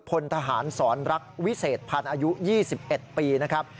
พลทหารสอนรักวิเศษพันธ์อายุ๒๑ปีนะครับ